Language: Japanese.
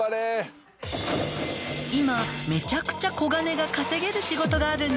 「今めちゃくちゃ小金が稼げる仕事があるんです」